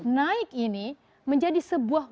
naik ini menjadi sebuah